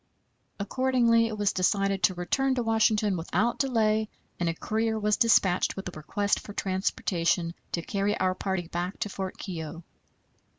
Accordingly, it was decided to return to Washington without delay, and a courier was dispatched with a request for transportation to carry our party back to Fort Keogh.